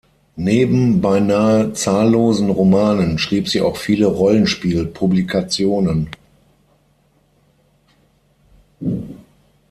Neben beinahe zahllosen Romanen schrieb sie auch viele Rollenspiel Publikationen.